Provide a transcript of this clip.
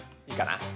いいかな？